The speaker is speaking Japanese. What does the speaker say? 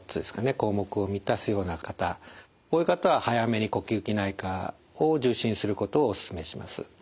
項目を満たすような方こういう方は早めに呼吸器内科を受診することをおすすめします。